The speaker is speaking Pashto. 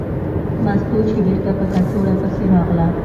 مستو چې بېرته په کڅوړه پسې راغله.